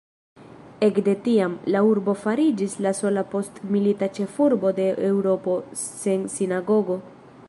Ekde tiam, la urbo fariĝis la sola postmilita ĉefurbo de Eŭropo sen sinagogo.